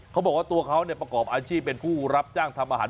เขาบอกว่าตัวเขาประกอบอาชีพเป็นผู้รับจ้างทำอาหาร